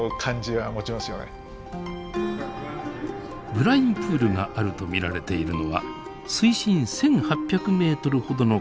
ブラインプールがあると見られているのは水深１，８００ｍほどの海底です。